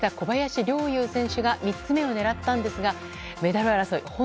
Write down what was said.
小林陵侑選手が３つ目のメダルを狙ったんですがメダル争い